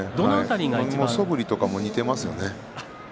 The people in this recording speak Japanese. そぶりとかも似ていますよね。